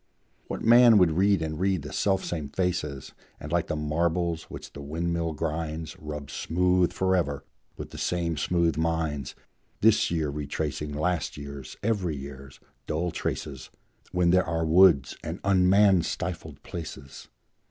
What man would read and read the selfsame faces, And, like the marbles which the windmill grinds, Rub smooth forever with the same smooth minds, This year retracing last year's, every year's, dull traces, When there are woods and un man stifled places?